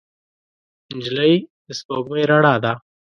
نجلۍ د سپوږمۍ رڼا ده.